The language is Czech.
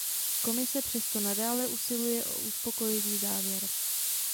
Komise přesto nadále usiluje o uspokojivý závěr.